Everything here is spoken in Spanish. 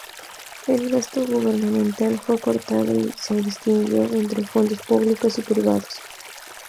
El gasto gubernamental fue cortado y se distinguió entre fondos públicos y privados.